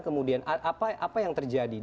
kemudian apa yang terjadi